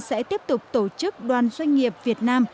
sẽ tiếp tục tổ chức đoàn doanh nghiệp việt nam